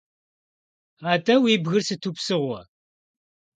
АтӀэ, уи бгыр сыту псыгъуэ?